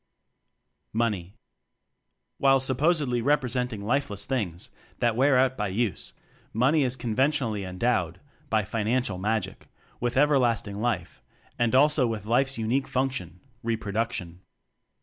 "Money" While supposedly representing life less things (that wear out by use), "money" is conventionally endowed (by financial magic) with everlasting life, and also with life's unique func tion reproduction.